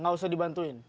gak usah dibantuin